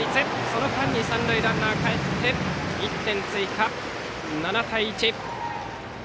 その間に三塁ランナーがかえって１点追加、７対１。